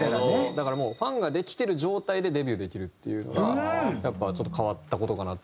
だからファンができてる状態でデビューできるっていうのがやっぱちょっと変わった事かなという。